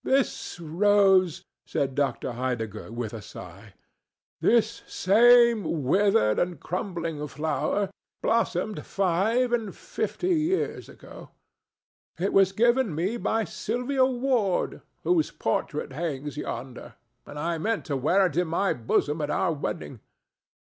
"This rose," said Dr. Heidegger, with a sigh—"this same withered and crumbling flower—blossomed five and fifty years ago. It was given me by Sylvia Ward, whose portrait hangs yonder, and I meant to wear it in my bosom at our wedding.